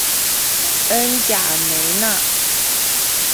恩贾梅纳。